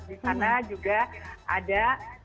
di sana juga ada